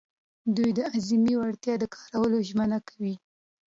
دوی د اعظمي وړتیا د کارولو ژمنه کوي.